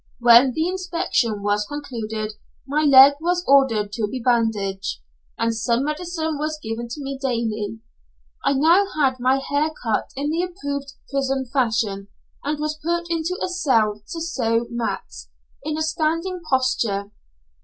When the inspection was concluded my leg was ordered to be bandaged, and some medicine was given to me daily. I now had my hair cut in the approved prison fashion, and was put into a cell to sew mats, in a standing posture.